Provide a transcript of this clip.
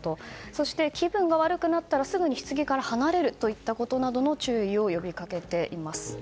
そして、気分が悪くなったらすぐに棺から離れるといったことなどの注意を呼び掛けています。